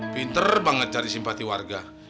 pinter banget cari simpati warga